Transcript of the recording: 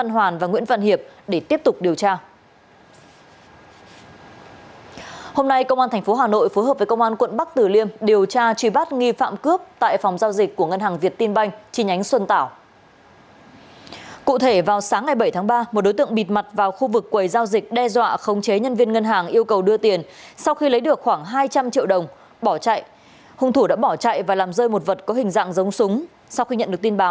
hãy đăng ký kênh để ủng hộ kênh của chúng mình nhé